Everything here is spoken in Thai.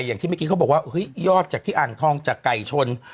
อย่างที่เมื่อกี้เขาบอกว่าเฮ้ยยอดจากที่อ่างทองจากไก่ชน